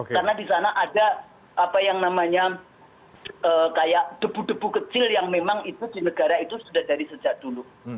karena di sana ada apa yang namanya kayak debu debu kecil yang memang itu di negara itu sudah dari sejak dulu